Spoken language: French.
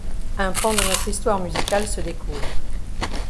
Un pan de notre histoire musicale se découvre.